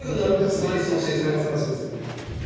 なりすましですね。